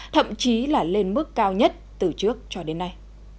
thậm chí là lên mức cao nhất từ trước cho đến nay